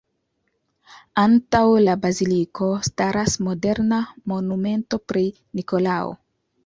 Antaŭ la baziliko staras moderna monumento pri Nikolao.